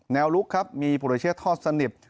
แนวลุคครับมีปุรเชษฐ์ทอดสนิบ